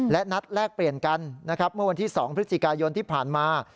และนัดแลกเปลี่ยนกันนะครับเมื่อวันที่๒พฤศจิกายนที่ผ่านมา